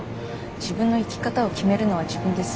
自分の生き方を決めるのは自分です。